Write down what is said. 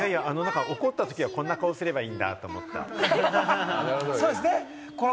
怒ったときはこんな顔すればいいんだって思った。